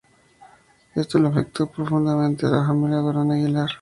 Ésto le afecto profundamente a la familia Durán Aguilar.